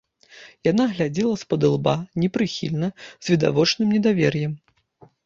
Яна глядзела спадылба, непрыхільна, з відавочным недавер'ем.